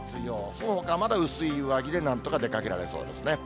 そのほかはまだ薄い上着でなんとか出かけられそうですね。